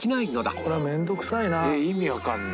これは面倒くさいな。